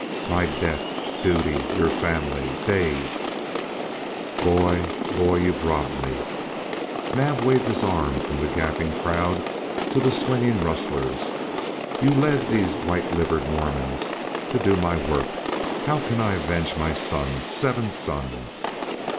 "My debt duty your family Dave!" "Boy! Boy! You've robbed me." Naab waved his arm from the gaping crowd to the swinging rustlers. "You've led these white livered Mormons to do my work. How can I avenge my sons seven sons?"